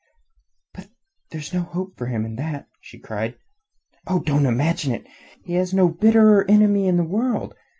"But there is no hope for him in that!" she cried. "Oh, don't imagine it! He has no bitterer enemy in the world!